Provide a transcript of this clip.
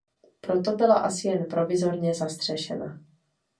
Proto byla asi jen provizorně zastřešena.